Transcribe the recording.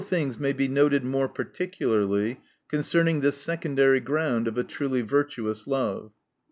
But several things may be noted more particularly concerning this secondary ground of a truly virtuous love.